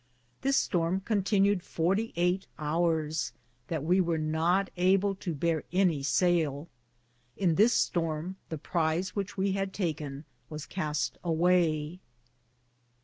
This storme contenued 48 houres, that we weare not able to beare any saile ; in this storm the prise which we hade taken was Caste awaye.